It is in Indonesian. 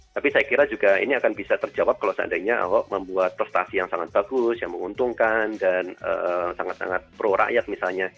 tapi saya kira juga ini akan bisa terjawab kalau seandainya ahok membuat prestasi yang sangat bagus yang menguntungkan dan sangat sangat pro rakyat misalnya